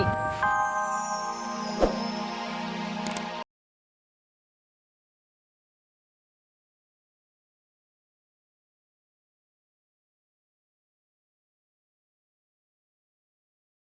kurit kalau dia nggak estable